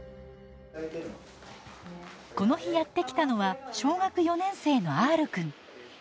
この日やって来たのは小学４年生のＲくん。